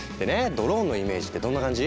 ドローンのイメージってどんな感じ？